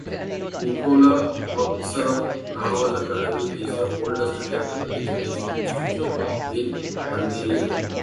Nikola Vaptsarov Naval Academy is the oldest technical educational institution in Bulgaria.